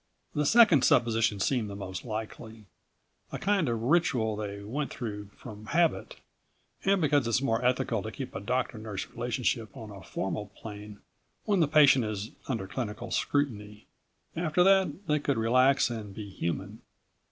The second supposition seemed the most likely. A kind of ritual they went through from habit, and because it's more ethical to keep a doctor nurse relationship on a formal plane when the patient is under clinical scrutiny. After that, they could relax and be human.